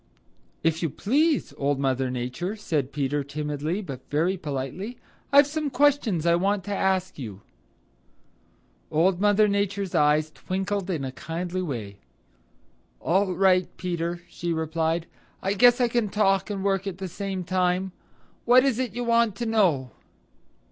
"If you please, Old Mother Nature," said Peter timidly but very politely, "I've some questions I want to ask you." Old Mother Nature's eyes twinkled in a kindly way. "All right, Peter," she replied. "I guess I can talk and work at the same time. What is it you want to know?"